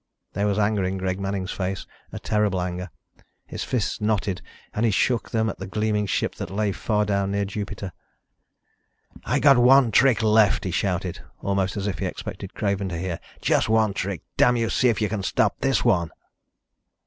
There was anger in Greg Manning's face ... a terrible anger. His fists knotted and he shook them at the gleaming ship that lay far down near Jupiter. "I've got one trick left," he shouted, almost as if he expected Craven to hear. "Just one trick. Damn you, see if you can stop this one!"